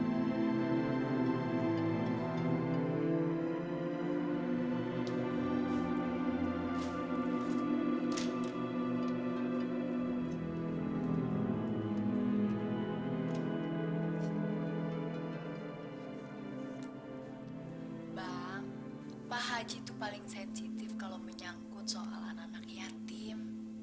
bang pak haji tuh paling sensitif kalau menyangkut soalan anak yatim